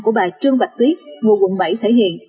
của bà trương bạch tuyết ngụ quận bảy thể hiện